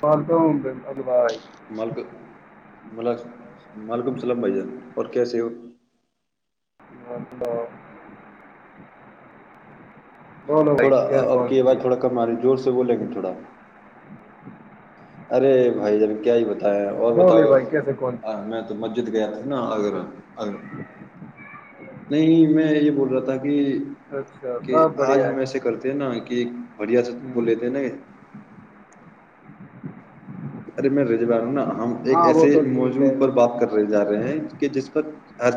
پالتا ہوں [inaudible] بائے [inaudible] ملک وعلیکم السلام بھائی جان اور کیسے ہو [inaudible] ندو [inaudible] تھوڑا اب کی آواز تھوڑا کم آ رہی ہے زور سے بولیں گے تھوڑا [inaudible] [inaudible] ارے بھائی جان کیا ہی بتا [inaudible] اور بتاؤ بولے بھائی کیسے کال کیا میں تو مسجد گیا تھا [inaudible] آگا [inaudible] [inaudible] نہیں میں یہ بول رہا تھا اچھا [inaudible] کہ سب آج بڑھیا ہم ایسے ہے کرتے ہیں نا کہ بڑھیا سے وہ لیتے ہیں نا [inaudible] ارے میں رضی ہوں نا ہم ایک ہاں وہ ایسے تو ٹھیک موضوع ہے پر بات بھائی کرنے جا رہے ہیں کہ جس پر [inaudible] ہر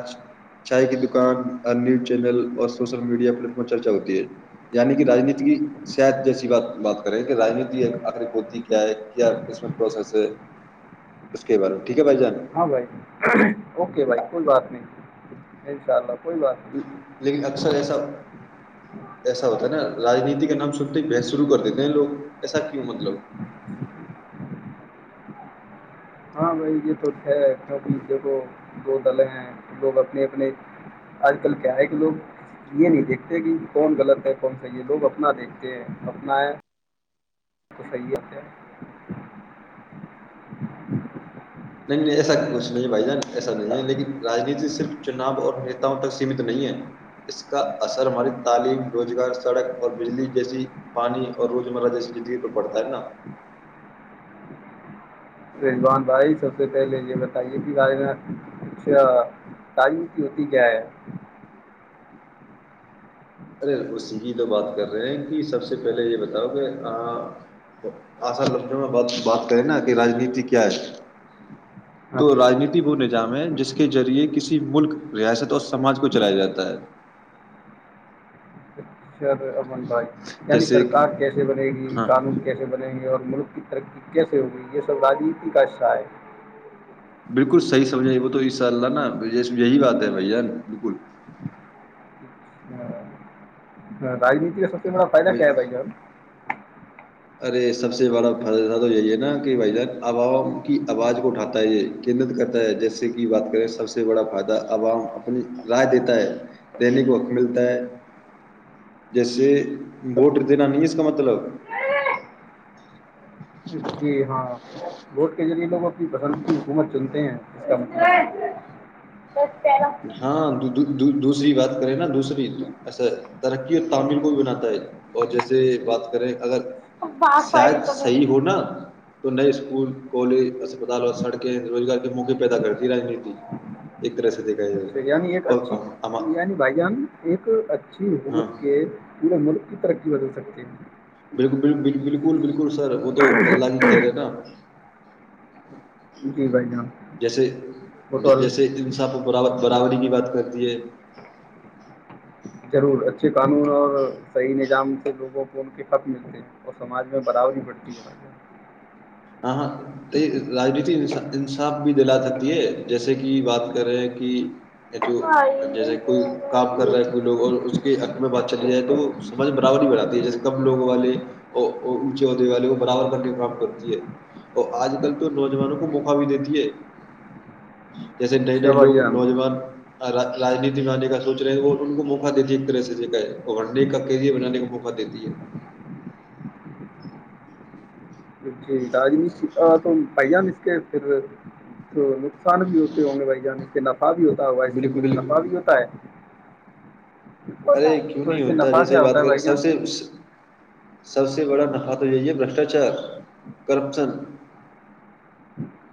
چائے کی دکان ہر نیوز چینل اور سوشل میڈیا پلیٹم چرچا ہوتی ہے یعنی کہ رانیتی کی سحت جیسی بات بات کریں کہ رجنیتی آخری پتی کیا ہے کیا اس پروسس ہے اس کے بارے ٹھیک ہے بھائی جان [unintelligible] ہاں بھائی اوکے بھائی کوئی بات نہیں ان شاء اللہ کوئی بات نہیں لیکن اکثر ایسا ایسا ہوتا نا رانیتی کا نام سنتے ہی بحس شروع کر دیتے ہیں لوگ ایسا کیوں مطلب ہاں بھائی یہ تو ہے کبھی د یکھو دو دلیں ہیں لوگ اپنے اپنے آج کل کیا آئے کہ لوگ یہ نہیں دیکھتے کہ کون غلط ہے کون صحیح ہے لوگ اپنا دیکھتے ہیں اپنا ہے تو صحیح ہے نہیں نہیں ایسا کچھ نہیں بھائی جان ایسا نہیں ہے لیکن راجنیتی صرف چناؤ اور نیتاؤں تک سیمت نہیں ہے اس کا اثر ہماری تعلیم روزگار سڑک اور بجلی جیسی پانی اور روز مرہ جیسی زندگی پر بڑتا ہے نا رضوان بھے سب سے پہلے یہ بتائیے کہ بارے میں کچھ تعاریفتی ہوتی کیا ہے ارے اسی ہی تو بات کر رہے ہیں کی سب سے پہلے یہ بتاؤ کہ آشا لفظوں میں بات بات کریں نا کہ راجنیتی کیا ہے ہاں تو جی راجنیتی وہ نہیں جام ہے جس کے ذریعے کسی ملک ریاست اور سماج کو چلایا جاتا ہے شر امن بھائی یعنی جیسے سرکار کیسے بنے گی ہاں قانون کیسے بنے گی اور ملک کی ترقی کیسے ہوگی یہ سب راجنیتی کا حصہ ہے بالکل صحیح سمجھ گے وہ تو انشاء اللہ نا یہی بات ہے بھان بالکل ہاں راجنیتی کا سب کا فائدہ کیا ہے بھائی جان ارے سب سے بڑا فائدہ تو یہی ہے نا کہ بھائی جان عوام کی آواز کو اٹھاتا ہے یہ کیندرت کرتا ہے جیسے کہ بات کریں سب سے بڑا فائدہ عوام اپنی رائے دیتا ہے دینے کو حق ملتا ہے جیسے ووٹ دینا نہیں اس کا مطلب جی ہاں ووٹ کے ذریعے لوگ اپنی پسند کی حکومت چنتے ہیں اس کا مطلب بس پیرہ ہاں دو- دو- دوسری بات کرے نا دوسری ایا ترقی اور بس تامل کو بھی پہلا بناتا ہے اور جیسے بات کریں اگر اب باس شاید فائدے تو صحیح میرے ہو نا تو نئے اسکول کالج اسپتال اور سڑکیں روزگار کے موقع پیدا کرتی راجنیتی ایک طرح سے دیکھ اچھا یعنی ایک اچھی یعنی بھائی جان ایک اچ ہاں حکومت کے پورے ملک کی ترقی بھی سکتی ہیں بالکل بالکل بالکل بالکل بالکل بالکل سر تو اللہ ہی خیر ہے نا جی بھائی جان جیسے وہ تو جیسے دساح کو براوت برابری کی بات کرتی ہے ضرور اچھے قانون اور صحیح نظام سے لوگوں کو ان کے حق ملتے ہیں اور سماج میں برادری بڑھتی ہے ہم ہاں ہاں راجنیتی انصاف بھی دلا سکتی ہے جیسے کہ بات کر رہے ہیں کہ جو جیسے کوئی کام کر رہا ہے کوئی لوگ اور اس کے حق میں بات چلی جائے تو سمج میں برابر نہیں بناتا جیسے کم لو والے اور اونچے عدے والے کو برابر کرنے کااہم کرتی ہے اور آج کل تو نوجوانوں کو مقا بھیی دیتی ہے جیسے نئے اچھا نئے بھائی لوگ جان نوجوان رجنیتی میں آنے کا سوچ رہے ہیں وہ ان کو موقع دیتی ہے ایک طرح سےنے کا کیری بنانے کا موقع دیتی ہے جی راجنیتی آ تو پائ جا م پھر تو نقصان بھی ہوتے ہوں گے بھ جان کے نفا بھی ہوتا ہے ہو اس سے بالکل کچھ بالکل نفع بھی ہوتا ہے ارے ہوتا ہے کیوں تو نہیں اس سے ہوتا نفع جیسے کیا ہی بات ہوتا ہے کر بھائی سب جان سے سب سے بڑا نفعہ تو یہی ہے برشٹاچار کرپشن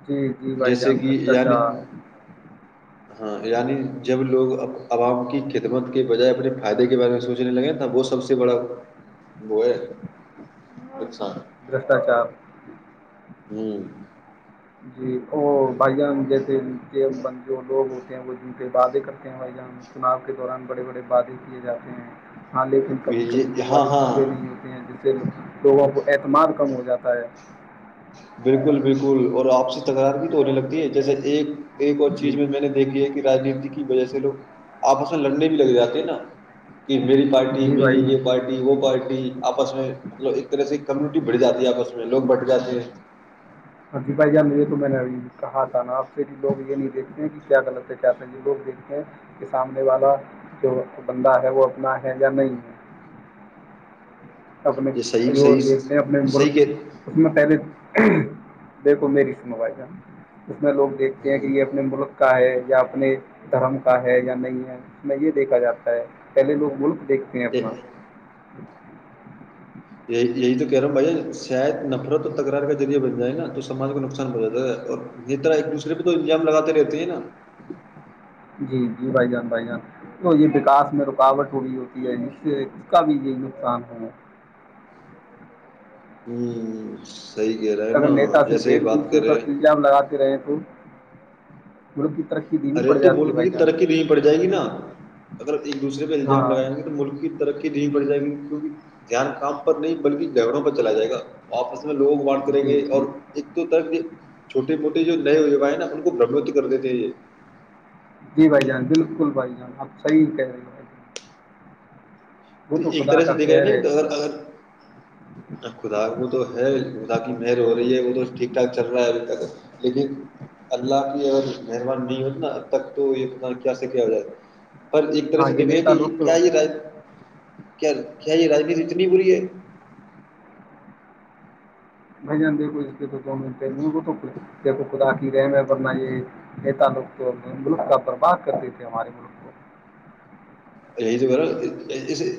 جی جی بھائی جیسے جان کہ یعنی بشٹاچار ہاں یعنی جب لوگ عوام کی خدمت کے بجائے اپنے فائدے کے بارے میں سوچنے لگے ن وہ سب سے بڑا وہ ہے نقصان برشٹاچار ہوں جی اور بھائی جان جیسے کے جو لوگ ہوتے ہیں وہ جن پہ وعادے کرتے ہیں بھائی جان چناؤ کے دوران بڑے بڑے وعادے کیے جاتے ہیں ہاں لیکن کبھی کبھی یہ وہ ہاں والے پورے ہاں نہیں ہوتے ہیں جس لوگوں کو اعتماد کم ہو جاتا ہے بالکل بالکل اور آپسی تکرار بھی تو ہونے لگتی ہے جیسے ایک ایک اور جی چیز میں میں نے دیکھی ہے کہ رجنیتی کی وجہ سے لوگ آپسن لڑنے بھی لگ جاتے نا کہ میری پارٹی جی میری بھائی جان یہ پارٹی وہ پارٹی آپس میں مطلب ایک طرح سے کمیونٹی بڑھ جاتی ہے آپس میں لوگ بٹ جاتے ہیں ہاںی بھائی جام میرے کو میں نے آئی کہا تھا نا آپ سے بھی لوگ یہ نہیں دیکھتے ہیں کہ کیا غلط ہے کیاسا یہ لوگ دیکھتے ہیں کہ سامنے والا جو بندہ ہے وہ اپنا ہے یا نہیں ہے اپنے یہ صحیح جو صحیح دیکھتے ہیں اپنے صحیح ملک کہ اس میں پہلے دیکھو میری س موبائل ہے اس میں لوگ دیکھتے ہیں کہ ہوں، یہ اپنے ملک کا ہے یا اپنے دھرم کا ہے یا نہیں ہے اس میں یہ دیکھا جاتا ہے پہلے لوگ ملک دیکھتے ہیں اپنا یہ- یہی یہی تو کہہ رہا ہوں بھائی شاید نفرت اور تکرار کا ذریعہ بن جائے نا تو ساج کو نقصان پہنچاتا ہے اور یہ طرح ایک دوسرے پہ تو انجام لگاتے رہتے ہیں نا جی جی بھائی جان بھائی جان تو یہ وکاس میں رکاوٹ ہو رہی ہوتی ہے ج سے اس کا بھی یہ نقصان ہو ہوں [inaudible] ہے اگر نا نیتا صرف جیسے ایک بات دوسرے پر کریں الزام لگاتے رہے تو م [inaudible] ارے تو ملک کی ترقی نہیں پڑ جائے گی نا اگر ایک دوسرے پہ الزام ہاں لگائیں گے تو ملک کی ترقی نہیںین پڑ جائےیں گی کیونکہ دھیان کام پر نہیں بلکہ جھگڑوں پر چلا جائے گا آاپس [unintelligible] لوگ وٹ کریں جی گے جی اور ایکت تو طرف [unintelligible] چھوٹے موٹے جو نئے و ہیں نا ان کو برمتو کر دیتے تھے یہ جی بھائی جان بالکل بھائی جان آپ صحیح کہہ رہے ہو بھائی جان وہ تو ایک خدا طرح سے کا دیکھا کہہ رہے نہیں کہ اگر خدا وہ تو ہے [unintelligible] اللہ کی مہر ہو رہی ہے وہ تو ٹھیک ٹھاک چل رہا ہے ابھی تک لیکن اللہ کی اگر مہربان نہیں ہوتی نا اب تک تو یہ کیا سے کیا ہو جائے [unintelligible] پر ایک طرح ہاں سے یہ دیکھے نیتا کہ لوگ تو کیا یہ رائے [unintelligible] کیا کیا یہ رجنیتی اتنی بری ہے بھ جان دیکھو خدا کی رحم ہے ورنہ یہ تعلق ملک کا برباد کرتے تھے ہمارے ملک کو یہی تو بہر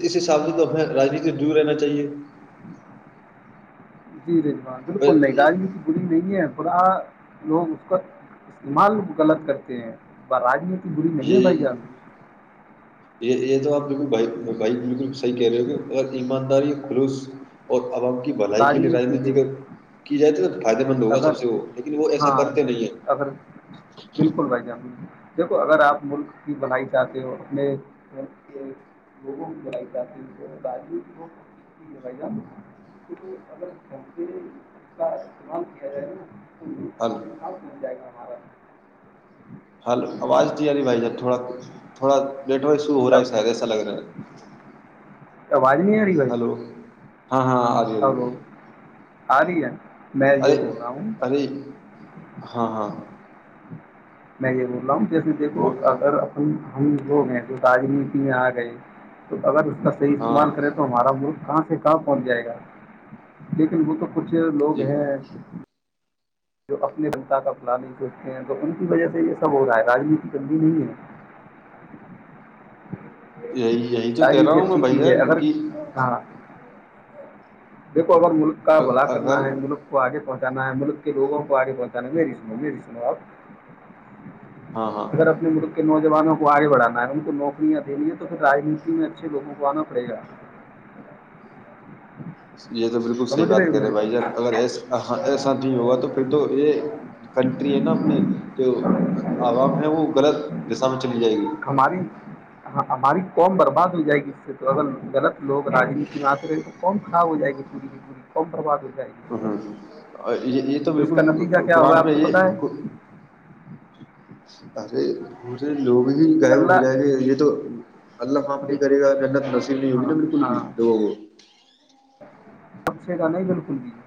اس حساب سے تو اپنے رانیتی دور رہنا چاہیے جی جی [unintelligible] ہاں بالکل پر نہیں راجمیتی بڑی نہیں ہے تھڑا لوگ اس کا استعمال غلط کرتے ہیں راجنیتی [unintelligible] ہے بھائی یہ جان یہ یہ تو آپ لوگ ب بائک بالکل [unintelligible] کہہ رہے ہو کہ اگر ایمانداری خلوص اور عوام کی [unintelligible] بھلائی کے لیے راجنیتی رنیتی دیکھو کی جائے تو فائدے مند ہوگا اگر سب سے وہ لیکن وہ ایسا ہاں ہاں، کرتے نہیں اگر ہیں [unintelligible] بالکل بھائی جان بالکل۔ دیکھو اگر آپ ملک کی بنائی چاہتے ہو اپنے ملک کے لوگوں کی بنائی چاہتے ہو تو باج کو بائی جاتتی [unintelligible] کیہ اگر ج اس کا استعمال کیا جائے نا حل [unintelligible] مل جائے گا ہمارا [unintelligible] حل آواز سو ہو رہا ہے ساےسا لگ رہ ہے [unintelligible] آواز نہیں آ رہی بھائی ہلو [unintelligible] ہاں ہاں آ ج آ ج ہلو [unintelligible] آ رہ ہے [unintelligible] ارے بول رہا ہوں ارے ہاں ہاں [unintelligible] نہیںے [unintelligible] جیسے دیکھو وہ اگر اپنی [unintelligible] ہم ل گئے تو رانیتی میں آ گئے تو اگر [unintelligible] کا صح استعمال ہاں کریں تو ہمارا وہرلک کہاں سے [unintelligible] کہاں پہنچ جائے گا لیکن وہ تو [unintelligible] کچھ لوگ ہیں [unintelligible] جو اپنے بنتاہ کا پلا نہیں سوچتے ہیں تو ان کی وجہ سے یہ سب ہو رہا ہے راجنیتی بندی نہیں ہے [unintelligible] یہی یہی جو کہہ رہا راجنیتی ہوں اچھی میں چیز بھیا ہے اگر کی [unintelligible] ہاں دیکھو اگر ملک کا بلا کرنا اگر ہے ملک کو آگے پہنچا [unintelligible] ملک کے لوگوں کو آگے بتا نا میری سنو میری سنو آپ ہاں ہاں [unintelligible] اگر اپنے ملک کے نو [unintelligible] زانوں کو آگے بڑھانا ہے ان کو نوکریاں دینی ہے تو پھر رانیتی میں اچھے لوگوں کو آنا پڑے گا [unintelligible] یہ تو بالکل صحیح سمجھ بات ہو کر رہے میری بھائی جان اگر ایسا نہیں ہوگا تو پھر تو یہ کنٹری ہے نا اپنی جو عوام ہے وہ غلط جسم [unintelligible] ہماری ہاں [unintelligible] ہماری قوم برباد ہو جائے گی اس سے تو اگر غلط لوگ رانیتی میں آتے رہے تو قوم خراب ہو جائے گی پوری کی پوری قوم برباد ہو جائے گی [unintelligible] اور یہ یہ تو اس کا نتیجہ بالکل کیا ہوگا قرآن آپ میں کو پتا ہے یہ ارے [unintelligible] مجھے [unintelligible] لوگ ہی گائےب ہو اللہ جائے گے یہ تو اللہ خام نہیں دیکھ کرے گا منت نصیب نہیں ہوگی نا ہاں بالکل ہاں بھی لوگوں کو [unintelligible] جچ [unintelligible]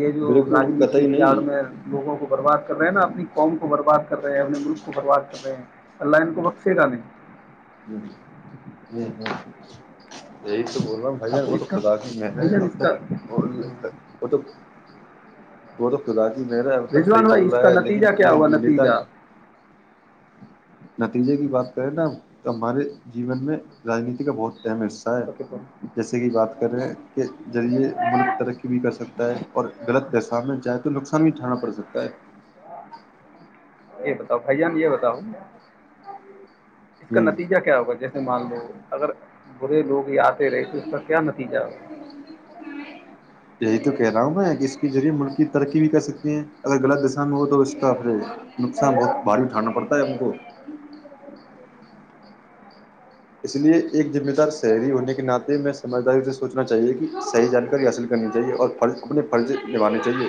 یہ جو بالکل رانیتی قطعی کی آڑ میں لوگوں کو برباد [unintelligible] کر رہے ہیں نا اپنی قوم کو برباد کر رہے ہیں اپنے ملک کو برباد کر رہے ہیں اللہ ان کو بق سےے ڈال ہوں ہوں یہ تو بول رہا ہ ہاں بھان وہ تو اس کا خدا کی محنت بھائی ہے جان اب اس تک کا وہ تو وہ تو ف الحال میرا اب تک رضوان صحیح چل بھائی اس رہا کا ہے لیکن نتیجہ ج کیا ہوا ت نتیجہ نتیجے کی بات کرے نا تو ہمارے جیون میں رانیتی کا بہت ہم حصہ ہے جیسے کہ بات کرے کے ذریعے ملک ترقی بھی کر سکتا ہے اور غلط دشا میں جائےیں تو نقصان بھی اٹھانا پڑ سکتا ہے یہ بتاؤ بھائییا نے یہ بتاؤ اس کا ہوں نتیجہ کیا ہوگا جیسے مان لو اگر بڑے لوگ آتے رہے تو اس کا کیا نتیجہ یہی تو کہہ رہا ہوں میں کہ اس کے ذریعے ملک کی ترقی بھی کر سکتی ہیں اگر غلط دسان میں ہو تو اس کافری نقصان بہت بھارییٹھانوں پر قم کو اس لیے ایک ذمہ دار شہری ہونے کے ناطے میں سمجھداری سے سوچنا چاہیے کہ صحیح جانکاری حاصل کرنی چاہیے اور فرض اپنے فرض لوانے چاہیے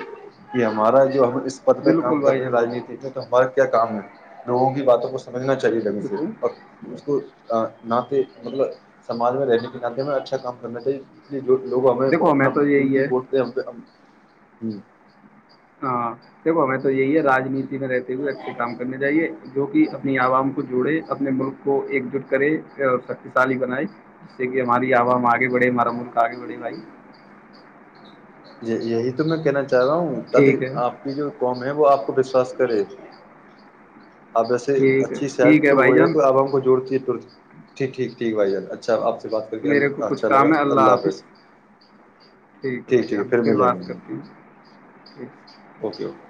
کہ ہمارا جو ہم پد پہ بالکل کام کر بھائی رہے ہیں جان رانیت میں تو ہمارے کام ہے لوگوں کی باتوں کو س سمجھنا چاہیے تھا مجھے بالکل اور اس کو ناے مطلب سمج میں رہنے کے ناطے میں اچھا کام کرنا چاہیے اسے جو لوگ ہمیں دیکھو اپنا تو یہی قیمتی ہے بوٹتے ہم ہوں ہاں دیکھو میں تو یہی ہے رانیتی میں رہتی ہوئے اچھے کام کرنے چاہیے جو کہ اپنی عوام کو جوڑے اپنے ملک کو ایکجٹ کرے اور شکتیشالی بنائے جس سے کہ مادی آوام آگ وڑ مرمل کا آگ وڑے وائی یہی تو میں کہنا چاہ کہ رہا ہوں ٹھیک ہے ک آپ کی جو وہ آپ کو وشواس کرے اب ایسے ٹھیک ہے اچھی شاید ٹھیک تو بھائی وہ ہے جان کہ اب ہم کو جوڑتی ہے ترکی ٹھیک ٹھیک ٹھیک بھائی جان اچھاپ میرے کو کچھ کام ہے اللہ حافظ ٹھیک ہے بھائی جان پھر بات کرتی ہوں ٹھیک اوکے اوکے